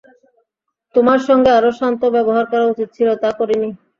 তোমার সঙ্গে আরো শান্ত ব্যবহার করা উচিত ছিল, তা করিনি।